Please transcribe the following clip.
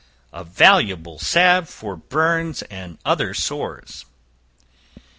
A Valuable Salve for Burns and other Sores.